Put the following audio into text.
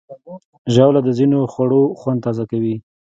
ژاوله د ځینو خوړو خوند تازه کوي.